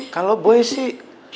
kalau boy sih